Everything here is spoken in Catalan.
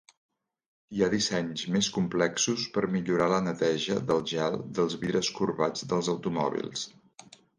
Hi ha dissenys més complexos per millorar la neteja del gel dels vidres corbats dels automòbils.